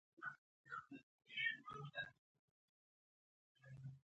په زندان کی یې قسمت سو ور معلوم سو